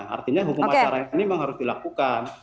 artinya hukum acara ini memang harus dilakukan